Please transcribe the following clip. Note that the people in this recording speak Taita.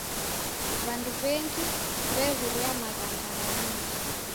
W'andu w'engi w'ew'uria maghangha gha midi.